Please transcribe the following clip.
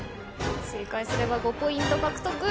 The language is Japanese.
正解すれば５ポイント獲得。